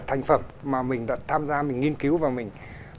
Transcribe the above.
thành phẩm mà mình đã tham gia mình nghiên cứu và mình